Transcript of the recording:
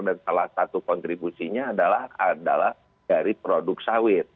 dan salah satu kontribusinya adalah dari produk sawit